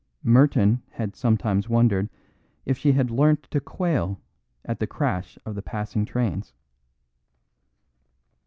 Merton had sometimes wondered if she had learnt to quail at the crash of the passing trains.